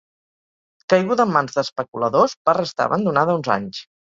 Caiguda en mans d'especuladors, va restar abandonada uns anys.